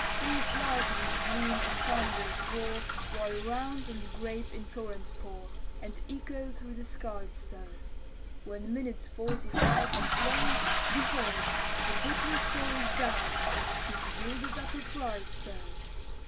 Fierce lightnings gleam and thunders roar, While round and grape in torrents pour, And echo through the skies, sirs; When minutes forty five had flown, Behold the Briton's colors down! She's yielded up a prize, sirs.